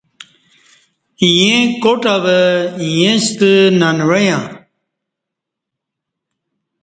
ییں کاٹ اوہ ییݩستہ ننوعݩہ